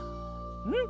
うん。